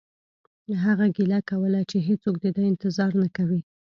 هغه ګیله کوله چې هیڅوک د ده انتظار نه کوي